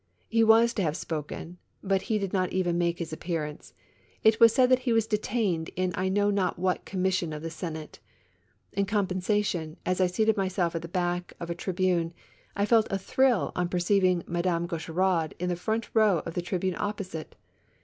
He was to have spoken, but he did not even make his appearance : it was said that he was detained in I know not what Commission of the Senate. lu compensation, as I seated myself at the back of a trib une, I felt a thrill on perceiving Madame Gaucheraud in the first row of the tribune opposite.